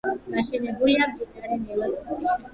გაშენებულია მდინარე ნილოსის ნაპირას.